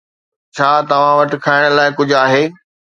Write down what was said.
ڇا توهان وٽ کائڻ لاءِ ڪجهه آهي؟